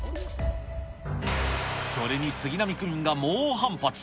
それに杉並区民が猛反発。